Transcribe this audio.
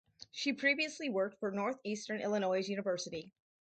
She previously worked for Northeastern Illinois University.